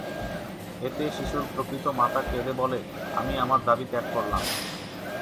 এতে শিশুর প্রকৃত মাতা কেঁদে বলে, আমি আমার দাবি ত্যাগ করলাম।